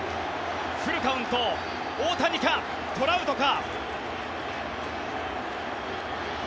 フルカウント大谷か、トラウトか。